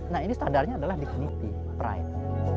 nah ini standarnya adalah dignity pride